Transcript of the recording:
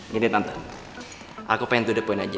gini tante aku pengen duduk pun aja